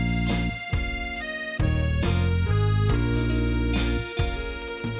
ขอรวมค้นด้วยครับ